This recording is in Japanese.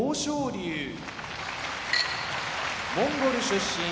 龍モンゴル出身